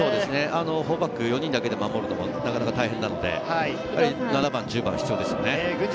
４バック、４人だけで守るのも大変なので、７番、１０番、必要ですよね。